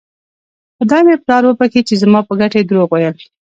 خدای مې پلار وبښي چې زما په ګټه یې درواغ ویل.